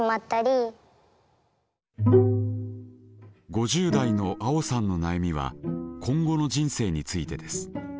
５０代のあおさんの悩みは今後の人生についてです。